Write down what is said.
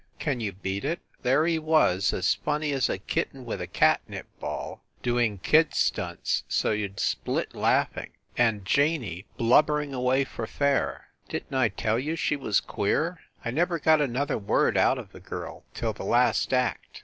Can you beat it? There he was, as funny as a kitten with a catnip ball, doing kid stunts so you d split laughing, and Janey blubbering away for fair. Didn t I tell you she was queer? I never got an other word out of the girl till the last act.